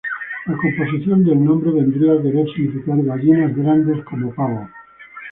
La composición del nombre vendría a querer significar "gallinas grandes como pavos".